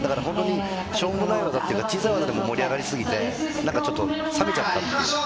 しょうもない技、小さい技でも盛り上がりすぎて、冷めちゃったって。